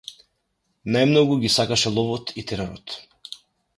Тој најмногу ги сакаше ловот и теророт.